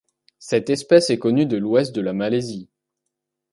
Cette espèce est connue de l'ouest de la Malaisie.